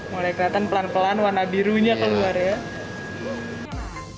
mulai kelihatan pelan pelan warna birunya keluar ya